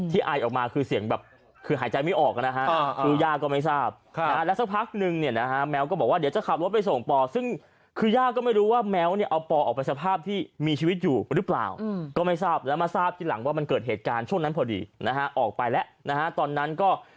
ไอออกมาคือเสียงแบบคือหายใจไม่ออกนะฮะคือย่าก็ไม่ทราบแล้วสักพักนึงเนี่ยนะฮะแมวก็บอกว่าเดี๋ยวจะขับรถไปส่งปอซึ่งคือย่าก็ไม่รู้ว่าแมวเนี่ยเอาปอออกไปสภาพที่มีชีวิตอยู่หรือเปล่าก็ไม่ทราบแล้วมาทราบทีหลังว่ามันเกิดเหตุการณ์ช่วงนั้นพอดีนะฮะออกไปแล้วนะฮะตอนนั้นก็